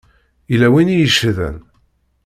Yella win i yeccḍen.